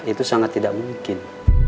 itu sangat tidak mungkin